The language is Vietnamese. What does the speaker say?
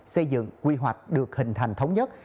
xây dựng quy hoạch được hình thành thống nhất